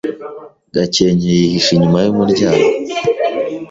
Gakenke yihishe inyuma yumuryango.